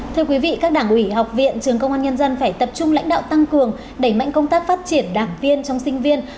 thưa quý vị các đảng ủy học viện trường công an nhân dân phải tập trung lãnh đạo tăng cường đẩy mạnh công tác phát triển đảng viên trong sinh viên